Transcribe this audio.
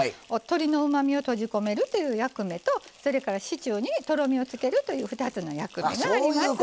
鶏のうまみを閉じ込めるという役目とそれからシチューにとろみをつけるという２つの役目があります。